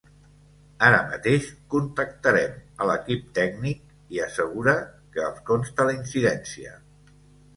Ara mateix contactarem a l'equip tècnic i assegurar que els consta la incidència.